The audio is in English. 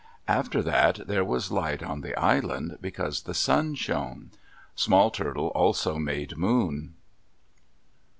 After that there was light on the island because the sun shone. Small Turtle also made moon.